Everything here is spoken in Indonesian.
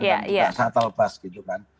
dan juga satel bus gitu kan